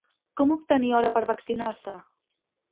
Com obtenir hora per vaccinar-se?